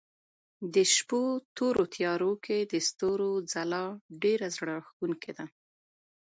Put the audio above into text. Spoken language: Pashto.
د شپو تورو تيارو کې د ستورو ځلا ډېره زړه راښکونکې ده.